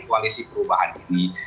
koalisi perubahan ini